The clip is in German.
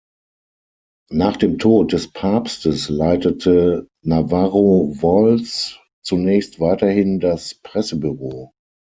Nach dem Tod des Papstes leitete Navarro-Valls zunächst weiterhin das Pressebüro.